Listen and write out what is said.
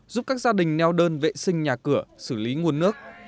giúp các gia đình neo đơn vệ sinh nhà cửa xử lý nguồn nước